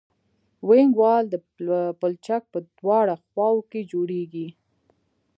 وینګ وال د پلچک په دواړو خواو کې جوړیږي